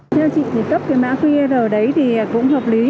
theo chị thì cấp cái mã qr đấy thì cũng hợp lý